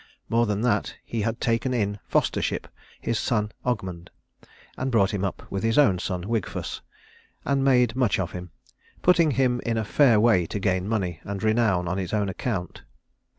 More than that, he had taken in fostership his son Ogmund, and brought him up with his own son, Wigfus, and made much of him, putting him in a fair way to gain money and renown on his own account.